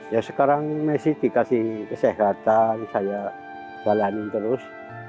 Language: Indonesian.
ya sekarang messi dikasih kesehatan saya jalanin terus